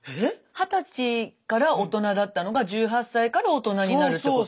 二十歳から大人だったのが１８歳から大人になるってこと？